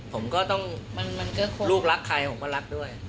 ผมก็ต้องลูกรักใครผมก็รักด้วย